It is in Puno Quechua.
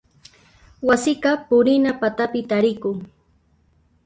Wasiqa purina patapi tarikun.